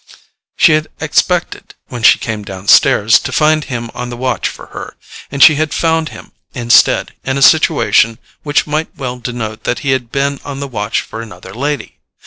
She had expected, when she came downstairs, to find him on the watch for her; and she had found him, instead, in a situation which might well denote that he had been on the watch for another lady.